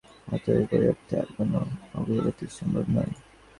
যেহেতু ঈশ্বরের সহিত আমরা অভিন্ন, অতএব ঐ অর্থে আর কোন অগ্রগতি সম্ভব নয়।